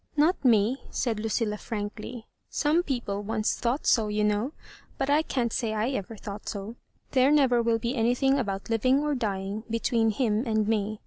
"Kot me," said Lucilla, frankly. "Some people once thought so, you know ; but I can't say I ever thought so. There never will be anything about living or dying between him and me.